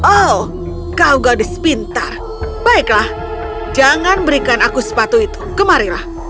oh kau gadis pintar baiklah jangan berikan aku sepatu itu kemarilah